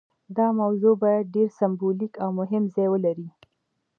دا موضوع باید ډیر سمبولیک او مهم ځای ولري.